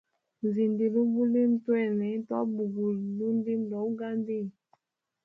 Nzindile ubulimi, twene twabugule lundimbwe lwa ugandia.